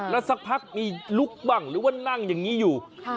แล้วสักพักมีลุกบ้างหรือว่านั่งอย่างนี้อยู่